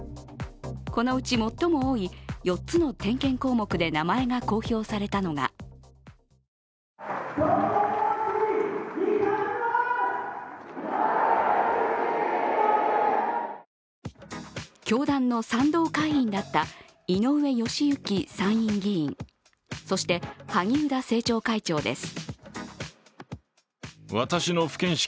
このうち最も多い４つの点検項目で名前が公表されたのが教団の賛同会員だった井上義行参院議員、そして萩生田政調会長です。